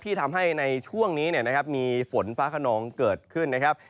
ที่ทำให้ในช่วงนี้มีฝนฟ้าขนองเกิดขึ้นนะครับ